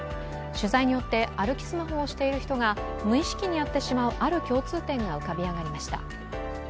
取材によって、歩きスマホをしている人が無意識にやってしまうある共通点が浮かび上がりました。